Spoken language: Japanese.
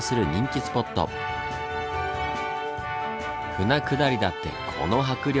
舟下りだってこの迫力！